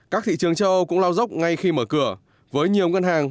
các thị trường châu âu cũng lao dốc ngay khi mở cửa với nhiều ngân hàng